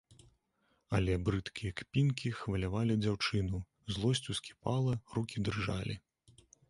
Але брыдкія кпінкі хвалявалі дзяўчыну, злосць ускіпала, рукі дрыжалі.